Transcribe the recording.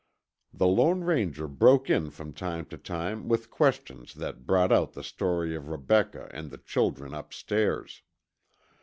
The Lone Ranger broke in from time to time with questions that brought out the story of Rebecca and the children upstairs.